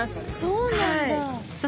そうなんだ。